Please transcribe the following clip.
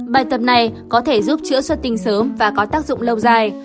bài tập này có thể giúp chữa xuất tinh sớm và có tác dụng lâu dài